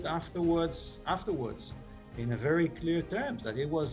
dalam kata yang referred